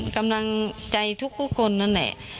กำลังใจทุกคนนั่นแหละ